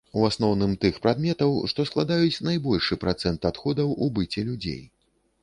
У асноўным тых прадметаў, што складаюць найбольшы працэнт адходаў у быце людзей.